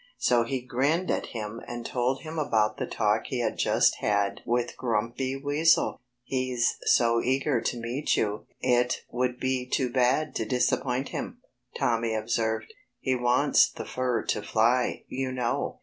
So he grinned at him and told him about the talk he had just had with Grumpy Weasel. "He's so eager to meet you it would be too bad to disappoint him," Tommy observed. "He wants the fur to fly, you know."